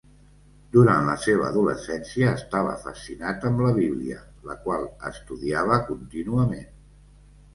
Durant la seva adolescència, estava fascinat amb la Bíblia, la qual estudiava contínuament.